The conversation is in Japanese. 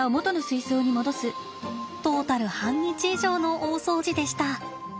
トータル半日以上の大掃除でした。